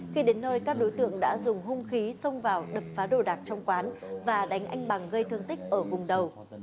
khi đến nơi các đối tượng đã dùng hung khí xông vào đập phá đồ đạc trong quán và đánh anh bằng gây thương tích ở vùng đầu